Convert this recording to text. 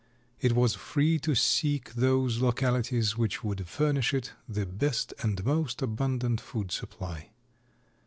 It was free to seek those localities which would furnish it the best and most abundant food supply.